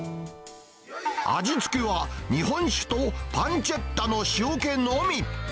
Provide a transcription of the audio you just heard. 味付けは日本酒とパンチェッタの塩気のみ。